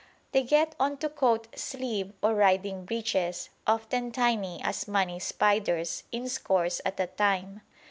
They get on to coat sleeve or riding breeches, often tiny as money spiders, in scores at a time.